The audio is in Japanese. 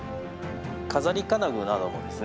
飾り金具などもですね